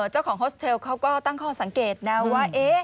โฮสเทลเขาก็ตั้งข้อสังเกตนะว่า